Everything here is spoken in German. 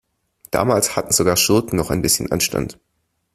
Damals hatten sogar Schurken noch ein bisschen Anstand.